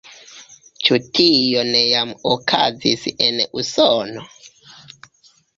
Ĉu tio ne jam okazis en Usono?